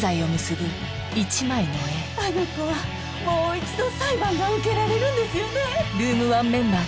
あの子はもう一度裁判が受けられるんですよね？